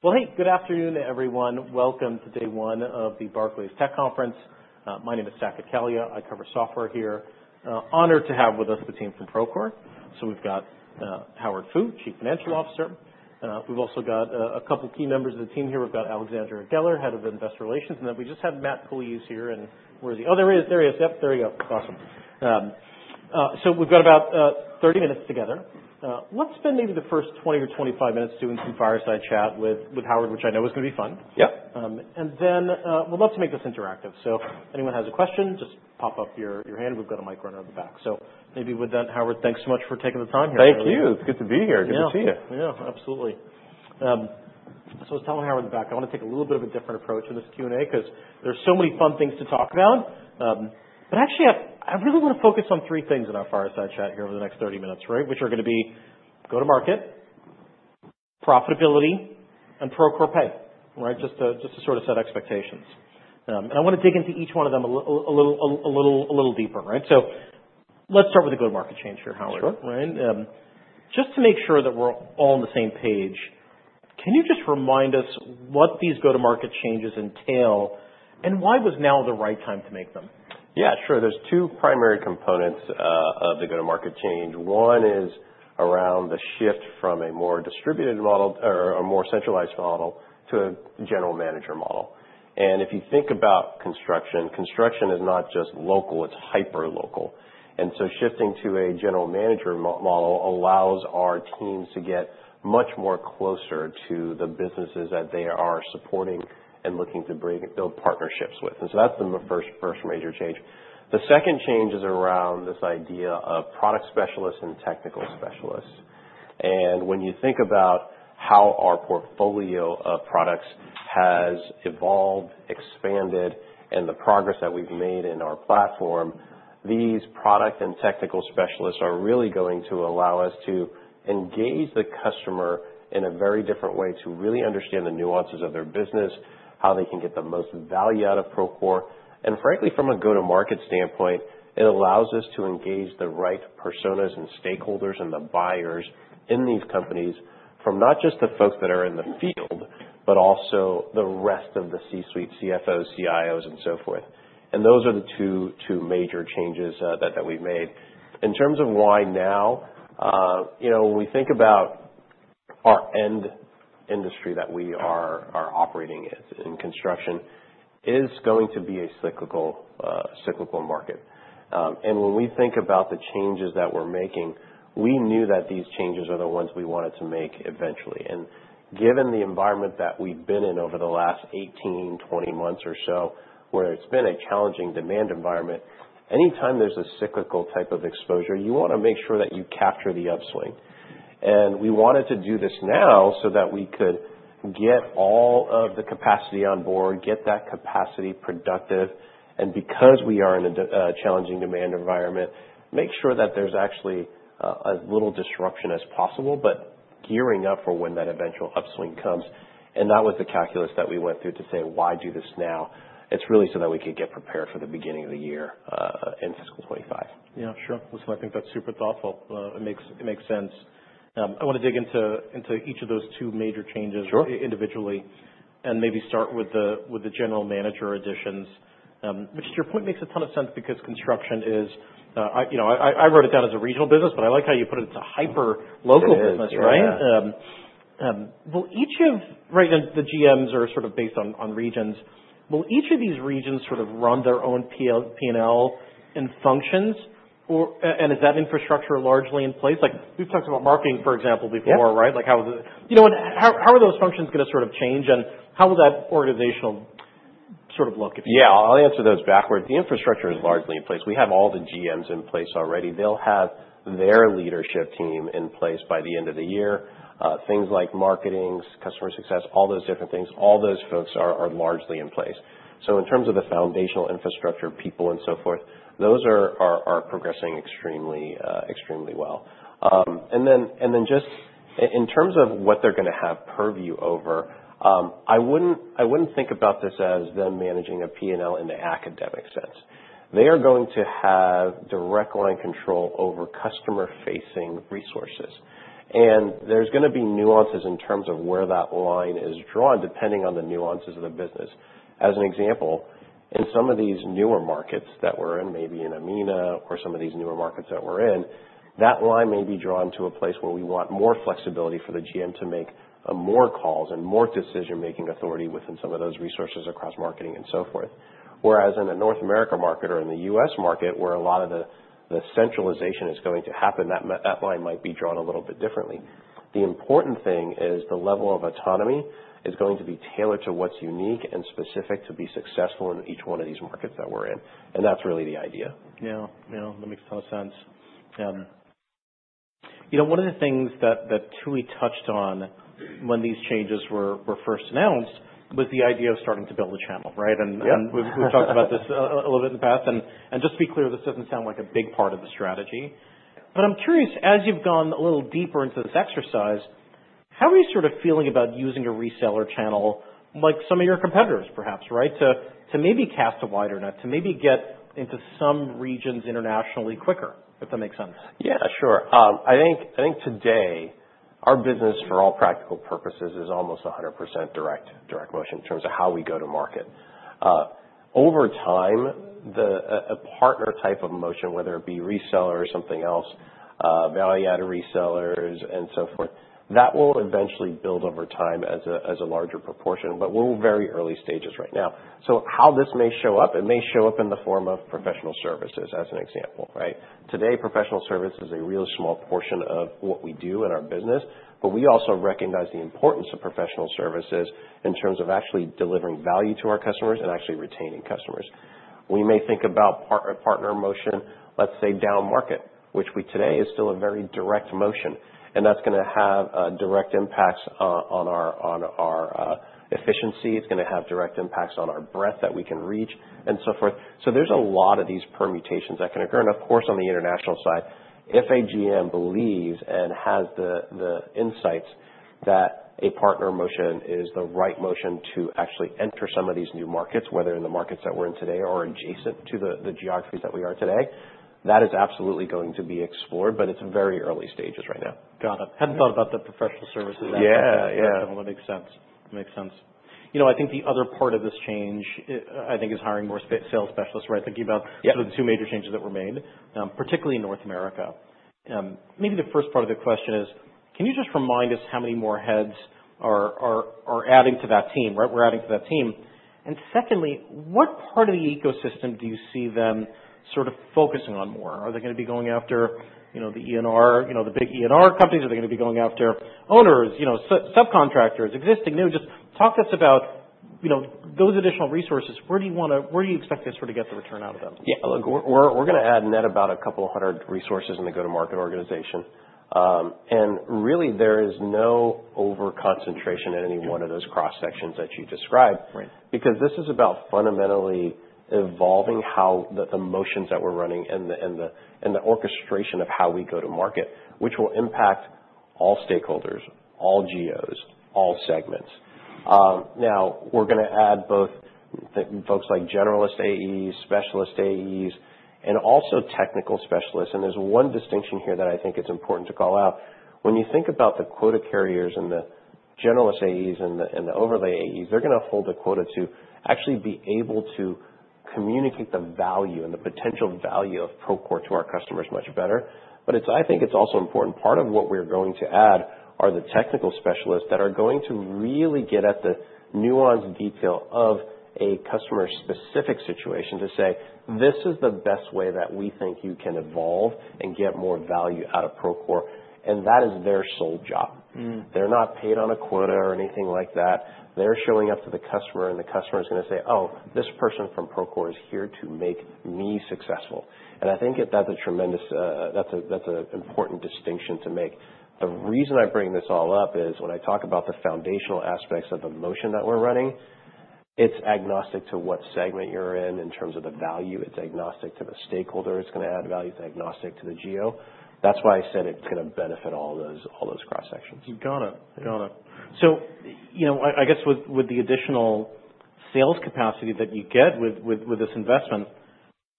Well, hey, good afternoon, everyone. Welcome to day one of the Barclays Tech Conference. My name is Saket Kalia. I cover software here. Honored to have with us the team from Procore. So we've got Howard Fu, Chief Financial Officer. We've also got a couple key members of the team here. We've got Alexandra Geller, Head of Investor Relations. And then we just had Matt Puljiz here. And where is he? Oh, there he is. There he is. Yep, there he goes. Awesome. So we've got about 30 minutes together. Let's spend maybe the first 20 or 25 minutes doing some fireside chat with Howard, which I know is going to be fun. Yep. And then we'd love to make this interactive. So if anyone has a question, just pop up your hand. We've got a mic runner in the back. So maybe with that, Howard. Thanks so much for taking the time here. Thank you. It's good to be here. Good to see you. Yeah, yeah, absolutely. So I was telling Howard in the back, I want to take a little bit of a different approach in this Q&A because there are so many fun things to talk about. But actually, I really want to focus on three things in our fireside chat here over the next 30 minutes, which are going to be go-to-market, profitability, and Procore Pay, just to sort of set expectations. And I want to dig into each one of them a little deeper. So let's start with the go-to-market change here, Howard. Sure. Just to make sure that we're all on the same page, can you just remind us what these go-to-market changes entail and why was now the right time to make them? Yeah, sure. There's two primary components of the go-to-market change. One is around the shift from a more distributed model or a more centralized model to a general manager model. And if you think about construction, construction is not just local. It's hyper-local. And so shifting to a general manager model allows our teams to get much more closer to the businesses that they are supporting and looking to build partnerships with. And so that's the first major change. The second change is around this idea of product specialists and technical specialists. And when you think about how our portfolio of products has evolved, expanded, and the progress that we've made in our platform, these product and technical specialists are really going to allow us to engage the customer in a very different way to really understand the nuances of their business, how they can get the most value out of Procore. And frankly, from a go-to-market standpoint, it allows us to engage the right personas and stakeholders and the buyers in these companies from not just the folks that are in the field, but also the rest of the C-suite, CFOs, CIOs, and so forth. And those are the two major changes that we've made. In terms of why now, when we think about our end industry that we are operating in construction, it is going to be a cyclical market. When we think about the changes that we're making, we knew that these changes are the ones we wanted to make eventually. Given the environment that we've been in over the last 18-20 months or so, where it's been a challenging demand environment, anytime there's a cyclical type of exposure, you want to make sure that you capture the upswing. We wanted to do this now so that we could get all of the capacity on board, get that capacity productive. Because we are in a challenging demand environment, make sure that there's actually as little disruption as possible, but gearing up for when that eventual upswing comes. That was the calculus that we went through to say, why do this now? It's really so that we could get prepared for the beginning of the year in Fiscal 2025. Yeah, sure. Listen, I think that's super thoughtful. It makes sense. I want to dig into each of those two major changes individually and maybe start with the general manager additions, which to your point makes a ton of sense because construction is, I wrote it down as a regional business, but I like how you put it. It's a hyper-local business, right? Well, each of, right, and the GMs are sort of based on regions. Will each of these regions sort of run their own P&L and functions? And is that infrastructure largely in place? We've talked about marketing, for example, before, right? How are those functions going to sort of change? And how will that organizational sort of look? Yeah, I'll answer those backwards. The infrastructure is largely in place. We have all the GMs in place already. They'll have their leadership team in place by the end of the year. Things like marketing, customer success, all those different things, all those folks are largely in place. So in terms of the foundational infrastructure people and so forth, those are progressing extremely well. And then just in terms of what they're going to have purview over, I wouldn't think about this as them managing a P&L in the academic sense. They are going to have direct line control over customer-facing resources. And there's going to be nuances in terms of where that line is drawn depending on the nuances of the business. As an example, in some of these newer markets that we're in, maybe in EMEA or some of these newer markets that we're in, that line may be drawn to a place where we want more flexibility for the GM to make more calls and more decision-making authority within some of those resources across marketing and so forth. Whereas in the North America market or in the U.S. market, where a lot of the centralization is going to happen, that line might be drawn a little bit differently. The important thing is the level of autonomy is going to be tailored to what's unique and specific to be successful in each one of these markets that we're in. And that's really the idea. Yeah, yeah. That makes a ton of sense. One of the things that Tooey touched on when these changes were first announced was the idea of starting to build a channel, right? And we've talked about this a little bit in the past. And just to be clear, this doesn't sound like a big part of the strategy. But I'm curious, as you've gone a little deeper into this exercise, how are you sort of feeling about using a reseller channel like some of your competitors, perhaps, to maybe cast a wider net, to maybe get into some regions internationally quicker, if that makes sense? Yeah, sure. I think today our business, for all practical purposes, is almost 100% direct motion in terms of how we go to market. Over time, a partner type of motion, whether it be reseller or something else, value-added resellers, and so forth, that will eventually build over time as a larger proportion, but we're in very early stages right now. So how this may show up, it may show up in the form of professional services, as an example. Today, professional service is a real small portion of what we do in our business, but we also recognize the importance of professional services in terms of actually delivering value to our customers and actually retaining customers. We may think about partner motion, let's say down market, which today is still a very direct motion. And that's going to have direct impacts on our efficiency. It's going to have direct impacts on our breadth that we can reach and so forth. So there's a lot of these permutations that can occur. And of course, on the international side, if a GM believes and has the insights that a partner motion is the right motion to actually enter some of these new markets, whether in the markets that we're in today or adjacent to the geographies that we are today, that is absolutely going to be explored, but it's very early stages right now. Got it. Hadn't thought about the professional services aspect of that. Yeah, yeah. That definitely makes sense. Makes sense. I think the other part of this change, I think, is hiring more sales specialists, right? Thinking about sort of the two major changes that were made, particularly in North America. Maybe the first part of the question is, can you just remind us how many more heads are adding to that team, right? We're adding to that team. And secondly, what part of the ecosystem do you see them sort of focusing on more? Are they going to be going after the ENR, the big ENR companies? Are they going to be going after owners, subcontractors, existing, new? Just talk to us about those additional resources. Where do you expect to sort of get the return out of them? Yeah, look, we're going to add net about a couple hundred resources in the go-to-market organization. And really, there is no overconcentration in any one of those cross-sections that you described because this is about fundamentally evolving the motions that we're running and the orchestration of how we go to market, which will impact all stakeholders, all geos, all segments. Now, we're going to add both folks like generalist AEs, specialist AEs, and also technical specialists. And there's one distinction here that I think it's important to call out. When you think about the quota carriers and the generalist AEs and the overlay AEs, they're going to hold a quota to actually be able to communicate the value and the potential value of Procore to our customers much better. But I think it's also important part of what we're going to add are the technical specialists that are going to really get at the nuanced detail of a customer-specific situation to say, "This is the best way that we think you can evolve and get more value out of Procore." And that is their sole job. They're not paid on a quota or anything like that. They're showing up to the customer, and the customer is going to say, "Oh, this person from Procore is here to make me successful." And I think that's a important distinction to make. The reason I bring this all up is when I talk about the foundational aspects of the motion that we're running, it's agnostic to what segment you're in in terms of the value. It's agnostic to the stakeholder. It's going to add value. It's agnostic to the geo. That's why I said it's going to benefit all those cross-sections. Got it. Got it. So I guess with the additional sales capacity that you get with this investment,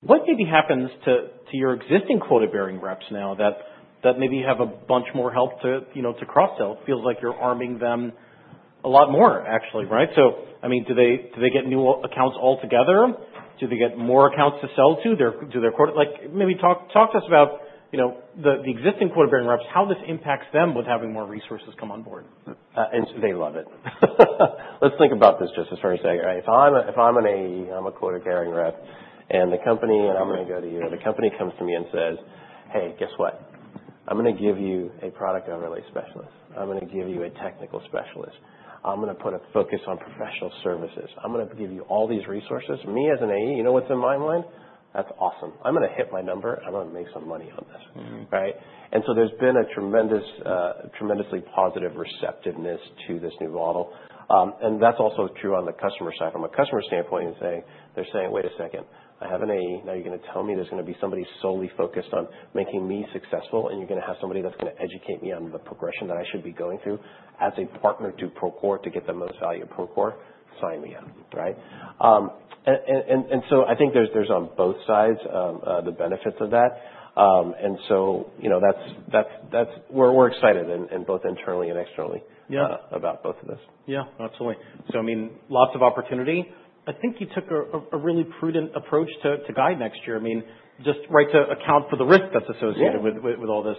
what maybe happens to your existing quota-bearing reps now that maybe have a bunch more help to cross-sell? It feels like you're arming them a lot more, actually, right? So I mean, do they get new accounts altogether? Do they get more accounts to sell to? Maybe talk to us about the existing quota-bearing reps, how this impacts them with having more resources come on board. They love it. Let's think about this just as far as, if I'm an AE, I'm a quota-carrying rep, and the company, and I'm going to go to you, and the company comes to me and says, "Hey, guess what? I'm going to give you a product overlay specialist. I'm going to give you a technical specialist. I'm going to put a focus on professional services. I'm going to give you all these resources." Me as an AE, you know what's in my mind? That's awesome. I'm going to hit my number. I'm going to make some money on this, right? And so there's been a tremendously positive receptiveness to this new model. And that's also true on the customer side. From a customer standpoint, they're saying, "Wait a second. I have an AE. Now you're going to tell me there's going to be somebody solely focused on making me successful, and you're going to have somebody that's going to educate me on the progression that I should be going through as a partner to Procore to get the most value of Procore? "Sign me up," right? And so I think there's on both sides the benefits of that. And so we're excited both internally and externally about both of this. Yeah, absolutely. So I mean, lots of opportunity. I think you took a really prudent approach to guide next year. I mean, just right to account for the risk that's associated with all this.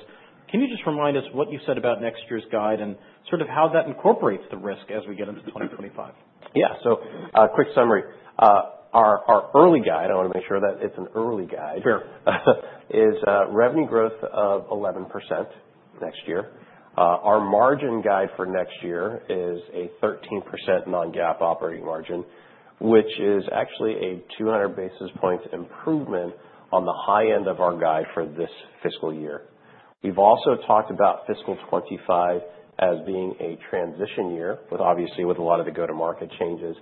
Can you just remind us what you said about next year's guide and sort of how that incorporates the risk as we get into 2025? Yeah. So quick summary. Our early guide, I want to make sure that it's an early guide, is revenue growth of 11% next year. Our margin guide for next year is a 13% non-GAAP operating margin, which is actually a 200 basis points improvement on the high end of our guide for this fiscal year. We've also talked about Fiscal 2025 as being a transition year, obviously, with a lot of the go-to-market changes.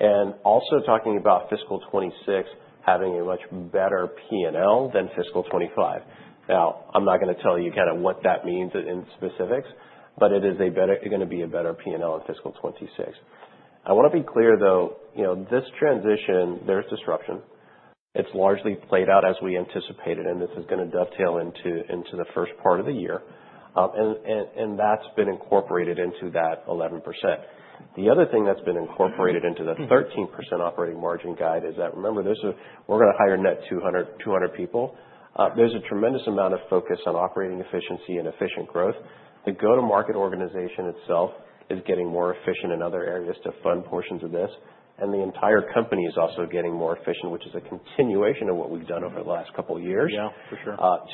And also talking about Fiscal 2026 having a much better P&L than Fiscal 2025. Now, I'm not going to tell you kind of what that means in specifics, but it is going to be a better P&L in Fiscal 2026. I want to be clear, though, this transition, there's disruption. It's largely played out as we anticipated, and this is going to dovetail into the first part of the year. That's been incorporated into that 11%. The other thing that's been incorporated into the 13% operating margin guide is that, remember, we're going to hire net 200 people. There's a tremendous amount of focus on operating efficiency and efficient growth. The go-to-market organization itself is getting more efficient in other areas to fund portions of this. The entire company is also getting more efficient, which is a continuation of what we've done over the last couple of years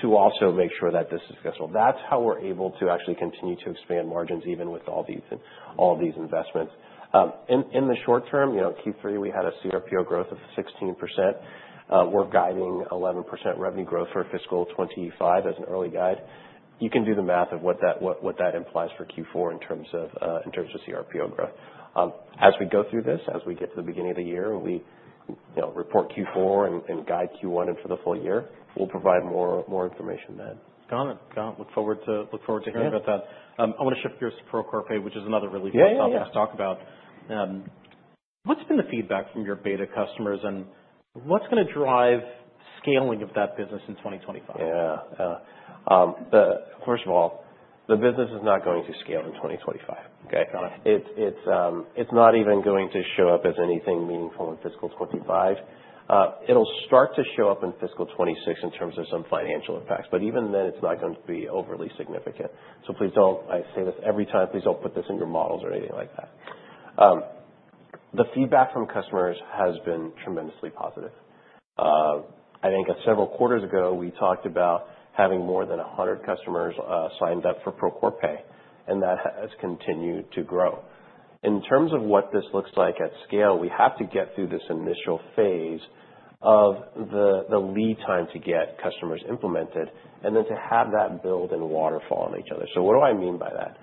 to also make sure that this is successful. That's how we're able to actually continue to expand margins even with all these investments. In the short term, Q3, we had a cRPO growth of 16%. We're guiding 11% revenue growth for Fiscal 2025 as an early guide. You can do the math of what that implies for Q4 in terms of cRPO growth. As we go through this, as we get to the beginning of the year and we report Q4 and guide Q1 and for the full year, we'll provide more information then. Got it. Got it. Look forward to hearing about that. I want to shift gears to Procore Pay, which is another really fun topic to talk about. What's been the feedback from your beta customers, and what's going to drive scaling of that business in 2025? Yeah. First of all, the business is not going to scale in 2025, okay? It's not even going to show up as anything meaningful in Fiscal 2025. It'll start to show up in Fiscal 2026 in terms of some financial effects, but even then, it's not going to be overly significant. So please don't, I say this every time, please don't put this in your models or anything like that. The feedback from customers has been tremendously positive. I think several quarters ago, we talked about having more than 100 customers signed up for Procore Pay, and that has continued to grow. In terms of what this looks like at scale, we have to get through this initial phase of the lead time to get customers implemented and then to have that build and waterfall on each other. So what do I mean by that?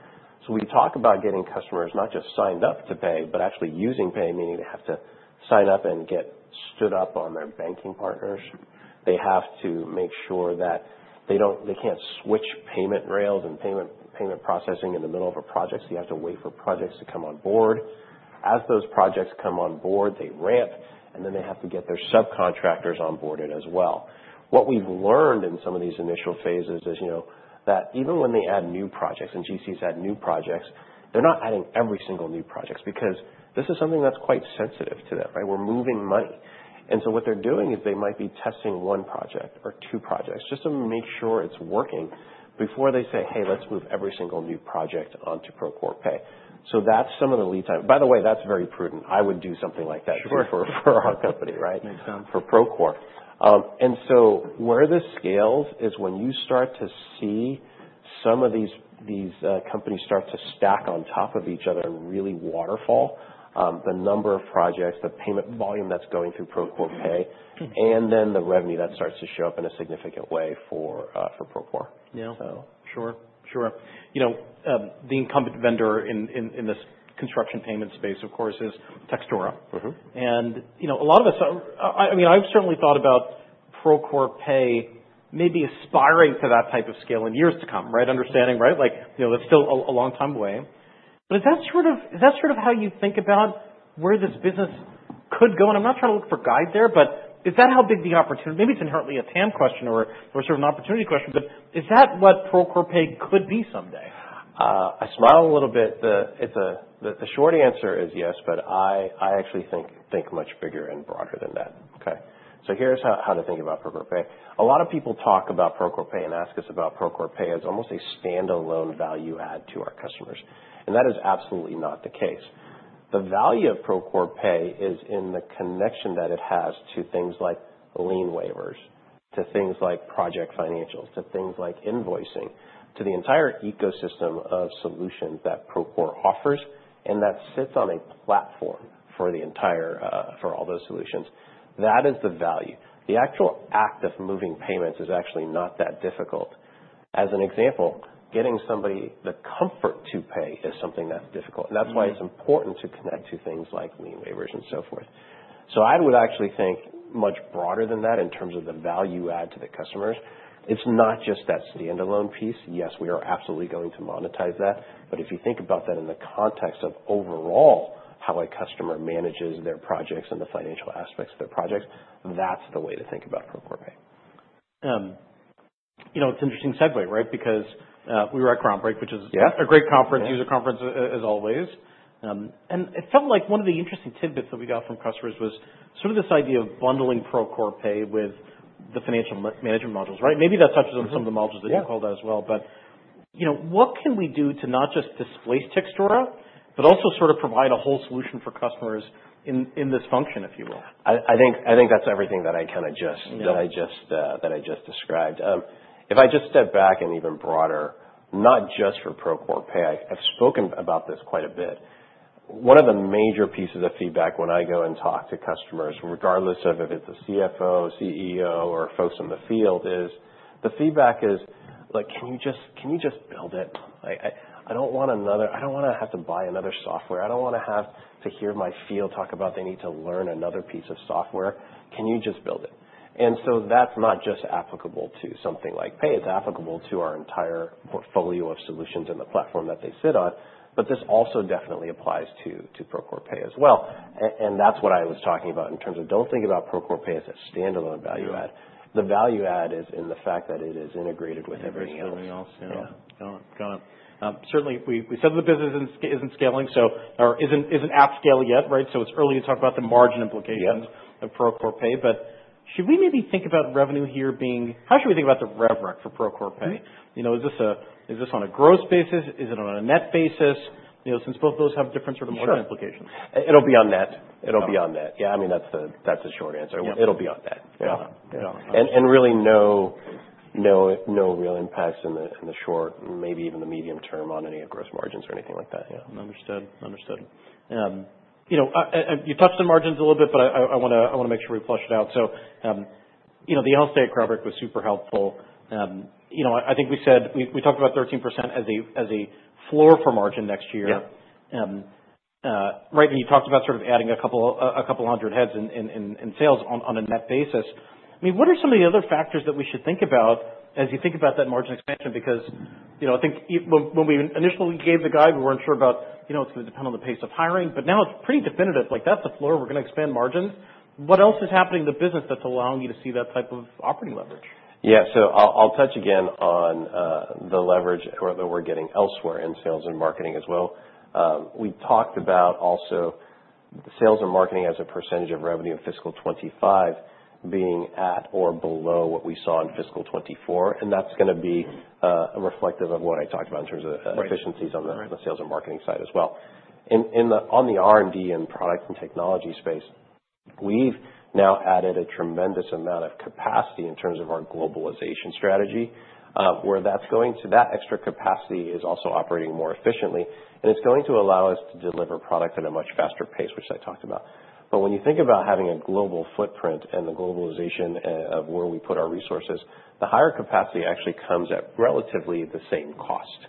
So we talk about getting customers not just signed up to pay, but actually using pay, meaning they have to sign up and get stood up on their banking partners. They have to make sure that they can't switch payment rails and payment processing in the middle of a project. So you have to wait for projects to come on board. As those projects come on board, they ramp, and then they have to get their subcontractors on board as well. What we've learned in some of these initial phases is that even when they add new projects and GCs add new projects, they're not adding every single new project because this is something that's quite sensitive to them, right? We're moving money. And so what they're doing is they might be testing one project or two projects just to make sure it's working before they say, "Hey, let's move every single new project onto Procore Pay." So that's some of the lead time. By the way, that's very prudent. I would do something like that for our company, right? Makes sense. For Procore. And so where this scales is when you start to see some of these companies start to stack on top of each other and really waterfall the number of projects, the payment volume that's going through Procore Pay, and then the revenue that starts to show up in a significant way for Procore. Yeah. Sure. Sure. The incumbent vendor in this construction payment space, of course, is Textura. And a lot of us, I mean, I've certainly thought about Procore Pay maybe aspiring to that type of scale in years to come, right? Understanding, right? That's still a long time away. But is that sort of how you think about where this business could go? And I'm not trying to look for guidance there, but is that how big the opportunity? Maybe it's inherently a TAM question or sort of an opportunity question, but is that what Procore Pay could be someday? I smile a little bit. The short answer is yes, but I actually think much bigger and broader than that. Okay, so here's how to think about Procore Pay. A lot of people talk about Procore Pay and ask us about Procore Pay as almost a standalone value-add to our customers, and that is absolutely not the case. The value of Procore Pay is in the connection that it has to things like lien waivers, to things like project financials, to things like invoicing, to the entire ecosystem of solutions that Procore offers, and that sits on a platform for all those solutions. That is the value. The actual act of moving payments is actually not that difficult. As an example, getting somebody the comfort to pay is something that's difficult, and that's why it's important to connect to things like lien waivers and so forth. So I would actually think much broader than that in terms of the value-add to the customers. It's not just that standalone piece. Yes, we are absolutely going to monetize that. But if you think about that in the context of overall how a customer manages their projects and the financial aspects of their projects, that's the way to think about Procore Pay. It's an interesting segue, right? Because we were at Groundbreak, which is a great conference, user conference as always. And it felt like one of the interesting tidbits that we got from customers was sort of this idea of bundling Procore Pay with the financial management modules, right? Maybe that touches on some of the modules that you called out as well. But what can we do to not just displace Textura, but also sort of provide a whole solution for customers in this function, if you will? I think that's everything that I kind of just described. If I just step back and even broader, not just for Procore Pay, I've spoken about this quite a bit. One of the major pieces of feedback when I go and talk to customers, regardless of if it's a CFO, CEO, or folks in the field, is the feedback is like, "Can you just build it? I don't want to have to buy another software. I don't want to have to hear my field talk about they need to learn another piece of software. Can you just build it?" And so that's not just applicable to something like pay. It's applicable to our entire portfolio of solutions and the platform that they sit on. But this also definitely applies to Procore Pay as well. That's what I was talking about in terms of don't think about Procore Pay as a standalone value-add. The value-add is in the fact that it is integrated with everything else. Everything else. Yeah. Got it. Certainly, we said the business isn't scaling or isn't at scale yet, right? So it's early to talk about the margin implications of Procore Pay. But should we maybe think about revenue here being how should we think about the rubric for Procore Pay? Is this on a gross basis? Is it on a net basis? Since both of those have different sort of margin implications. It'll be on net. Yeah. I mean, that's a short answer, and really no real impacts in the short, maybe even the medium term on any of gross margins or anything like that. Yeah. Understood. Understood. You touched on margins a little bit, but I want to make sure we flesh it out. So the Analyst Day at Groundbreak was super helpful. I think we talked about 13% as a floor for margin next year. Right when you talked about sort of adding a couple hundred heads in sales on a net basis, I mean, what are some of the other factors that we should think about as you think about that margin expansion? Because I think when we initially gave the guide, we weren't sure about it. It's going to depend on the pace of hiring, but now it's pretty definitive. That's the floor. We're going to expand margins. What else is happening in the business that's allowing you to see that type of operating leverage? Yeah. So I'll touch again on the leverage that we're getting elsewhere in sales and marketing as well. We talked about also sales and marketing as a percentage of revenue of Fiscal 2025 being at or below what we saw in Fiscal 2024. And that's going to be reflective of what I talked about in terms of efficiencies on the sales and marketing side as well. On the R&D and product and technology space, we've now added a tremendous amount of capacity in terms of our globalization strategy. Where that's going to, that extra capacity is also operating more efficiently. And it's going to allow us to deliver product at a much faster pace, which I talked about. But when you think about having a global footprint and the globalization of where we put our resources, the higher capacity actually comes at relatively the same cost.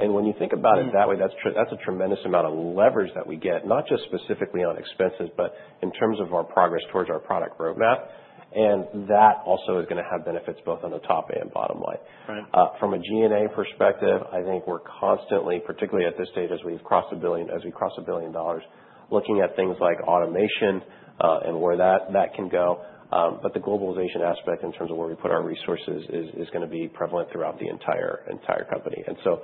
And when you think about it that way, that's a tremendous amount of leverage that we get, not just specifically on expenses, but in terms of our progress towards our product roadmap. And that also is going to have benefits both on the top and bottom line. From a G&A perspective, I think we're constantly, particularly at this stage as we've crossed $1 billion, looking at things like automation and where that can go. But the globalization aspect in terms of where we put our resources is going to be prevalent throughout the entire company. And so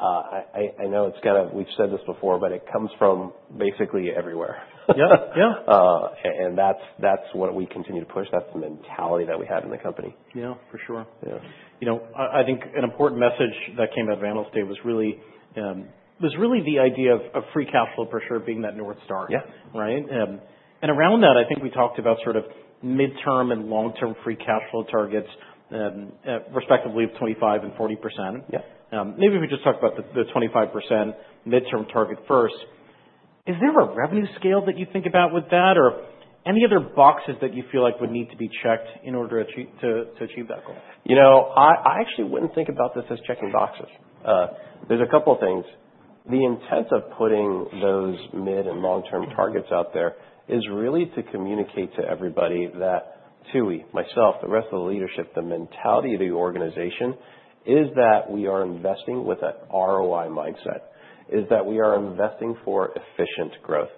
I know it's kind of we've said this before, but it comes from basically everywhere. And that's what we continue to push. That's the mentality that we have in the company. Yeah. For sure. I think an important message that came out of analyst day was really the idea of free cash flow per share being that North Star, right? And around that, I think we talked about sort of midterm and long-term free cash flow targets, respectively of 25% and 40%. Maybe if we just talk about the 25% midterm target first, is there a revenue scale that you think about with that or any other boxes that you feel like would need to be checked in order to achieve that goal? I actually wouldn't think about this as checking boxes. There's a couple of things. The intent of putting those mid and long-term targets out there is really to communicate to everybody that Tooey, myself, the rest of the leadership, the mentality of the organization is that we are investing with an ROI mindset, is that we are investing for efficient growth,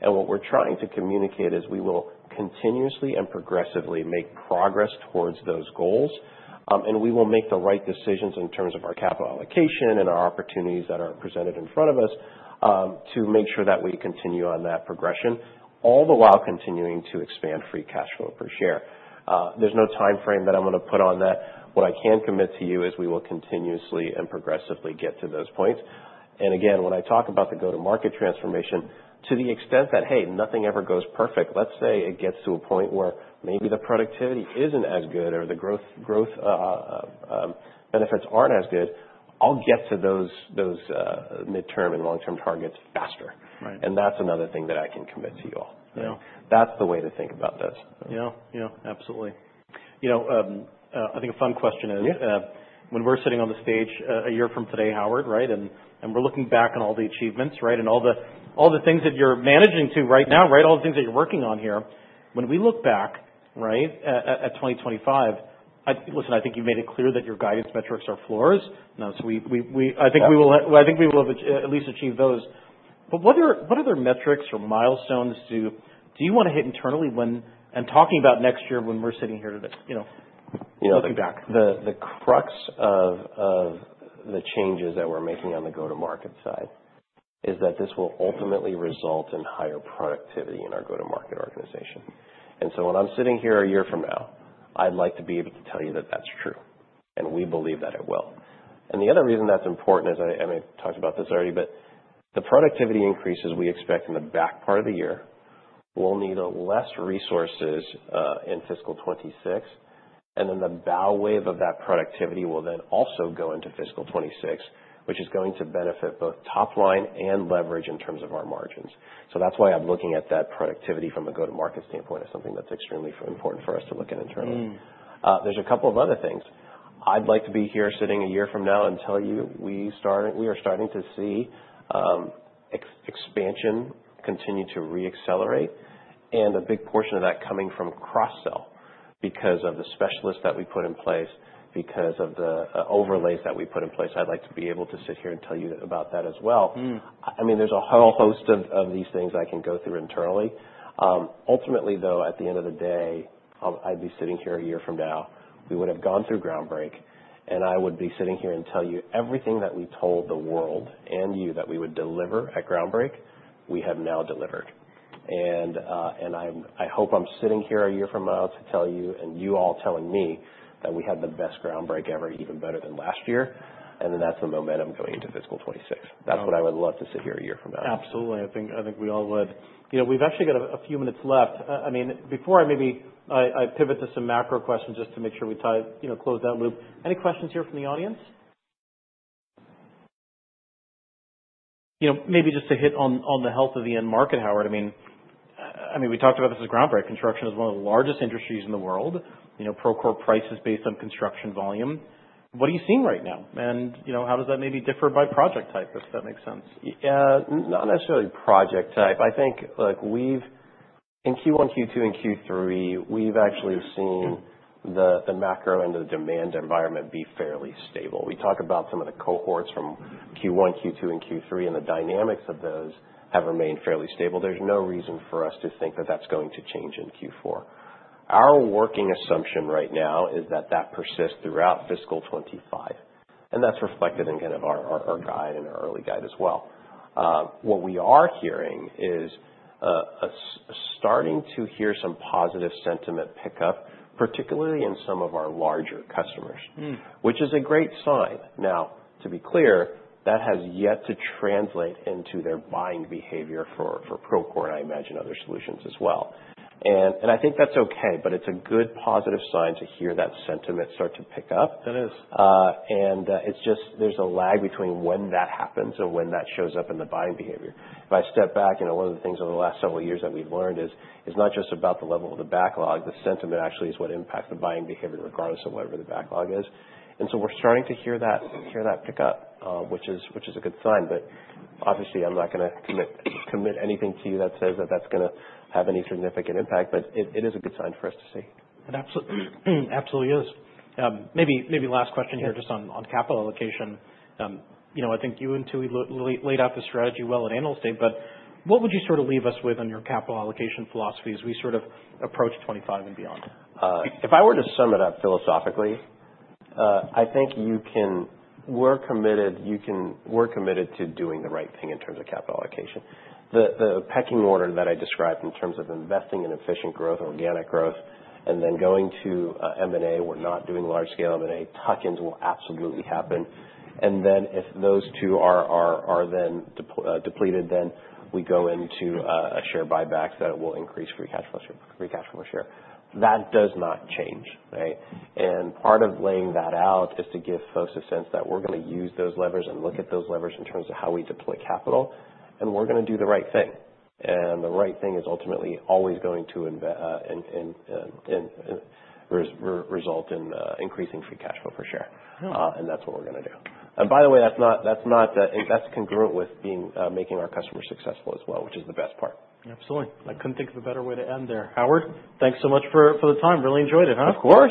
and what we're trying to communicate is we will continuously and progressively make progress towards those goals, and we will make the right decisions in terms of our capital allocation and our opportunities that are presented in front of us to make sure that we continue on that progression, all the while continuing to expand free cash flow per share. There's no timeframe that I'm going to put on that. What I can commit to you is we will continuously and progressively get to those points. Again, when I talk about the go-to-market transformation, to the extent that, hey, nothing ever goes perfect, let's say it gets to a point where maybe the productivity isn't as good or the growth benefits aren't as good, I'll get to those midterm and long-term targets faster. That's another thing that I can commit to you all. That's the way to think about this. Yeah. Yeah. Absolutely. I think a fun question is when we're sitting on the stage a year from today, Howard, right? And we're looking back on all the achievements, right? And all the things that you're managing to right now, right? All the things that you're working on here. When we look back, right, at 2025, listen, I think you've made it clear that your guidance metrics are floors. So I think we will at least achieve those. But what other metrics or milestones do you want to hit internally and talking about next year when we're sitting here looking back? The crux of the changes that we're making on the go-to-market side is that this will ultimately result in higher productivity in our go-to-market organization, and so when I'm sitting here a year from now, I'd like to be able to tell you that that's true, and we believe that it will, and the other reason that's important is I may have talked about this already, but the productivity increases we expect in the back part of the year will need less resources in Fiscal 2026, and then the bow wave of that productivity will then also go into Fiscal 2026, which is going to benefit both top line and leverage in terms of our margins, so that's why I'm looking at that productivity from a go-to-market standpoint as something that's extremely important for us to look at internally. There's a couple of other things. I'd like to be here sitting a year from now and tell you we are starting to see expansion continue to re-accelerate and a big portion of that coming from cross-sell because of the specialists that we put in place, because of the overlays that we put in place. I'd like to be able to sit here and tell you about that as well. I mean, there's a whole host of these things I can go through internally. Ultimately, though, at the end of the day, I'd be sitting here a year from now, we would have gone through Groundbreak, and I would be sitting here and tell you everything that we told the world and you that we would deliver at Groundbreak, we have now delivered. And I hope I'm sitting here a year from now to tell you and you all telling me that we had the best Groundbreak ever, even better than last year. And then that's the momentum going into Fiscal 2026. That's what I would love to sit here a year from now. Absolutely. I think we all would. We've actually got a few minutes left. I mean, before I maybe pivot to some macro questions just to make sure we close that loop, any questions here from the audience? Maybe just to hit on the health of the end market, Howard. I mean, we talked about this as Groundbreak. Construction is one of the largest industries in the world. Procore price is based on construction volume. What are you seeing right now? And how does that maybe differ by project type, if that makes sense? Not necessarily project type. I think in Q1, Q2, and Q3, we've actually seen the macro and the demand environment be fairly stable. We talk about some of the cohorts from Q1, Q2, and Q3, and the dynamics of those have remained fairly stable. There's no reason for us to think that that's going to change in Q4. Our working assumption right now is that that persists throughout Fiscal 2025, and that's reflected in kind of our guide and our early guide as well. What we are hearing is starting to hear some positive sentiment pickup, particularly in some of our larger customers, which is a great sign. Now, to be clear, that has yet to translate into their buying behavior for Procore and I imagine other solutions as well, and I think that's okay, but it's a good positive sign to hear that sentiment start to pick up. That is. And it's just there's a lag between when that happens and when that shows up in the buying behavior. If I step back, one of the things over the last several years that we've learned is not just about the level of the backlog. The sentiment actually is what impacts the buying behavior regardless of whatever the backlog is. And so we're starting to hear that pickup, which is a good sign. But obviously, I'm not going to commit anything to you that says that that's going to have any significant impact, but it is a good sign for us to see. It absolutely is. Maybe last question here just on capital allocation. I think you and Tooey laid out the strategy well at analyst day, but what would you sort of leave us with on your capital allocation philosophy as we sort of approach 25 and beyond? If I were to sum it up philosophically, I think we're committed to doing the right thing in terms of capital allocation. The pecking order that I described in terms of investing in efficient growth, organic growth, and then going to M&A, we're not doing large-scale M&A, tuck-ins will absolutely happen. And then if those two are then depleted, then we go into a share buyback that will increase free cash flow per share. That does not change, right? And part of laying that out is to give folks a sense that we're going to use those levers and look at those levers in terms of how we deploy capital. And we're going to do the right thing. And the right thing is ultimately always going to result in increasing free cash flow per share. And that's what we're going to do. By the way, that's congruent with making our customers successful as well, which is the best part. Absolutely. I couldn't think of a better way to end there. Howard, thanks so much for the time. Really enjoyed it, huh? Of course.